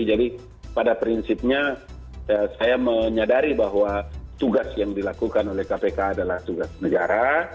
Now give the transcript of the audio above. jadi pada prinsipnya saya menyadari bahwa tugas yang dilakukan oleh kpk adalah tugas negara